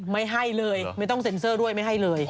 ไม่ให้เลยไม่ต้องเซ็นเซอร์ด้วยไม่ให้เลย